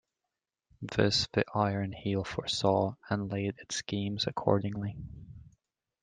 This the Iron Heel foresaw and laid its schemes accordingly.